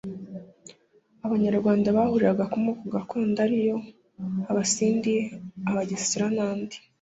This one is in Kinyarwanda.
Abanyarwanda bahuriraga ku moko gakondo ariyo abasindi, abagesera nandi